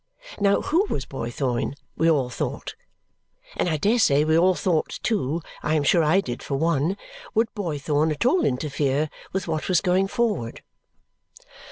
Now who was Boythorn, we all thought. And I dare say we all thought too I am sure I did, for one would Boythorn at all interfere with what was going forward?